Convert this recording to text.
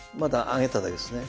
上げただけですね。